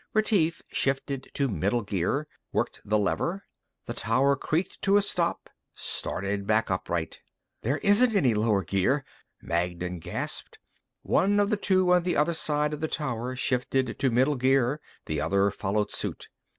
Retief shifted to middle gear, worked the lever. The tower creaked to a stop, started back upright. "There isn't any lower gear," Magnan gasped. One of the two on the other side of the tower shifted to middle gear; the other followed suit.